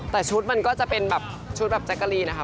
แต่ชุดมันก็จะเป็นแบบชุดแบบแจ๊กกะลีนนะคะ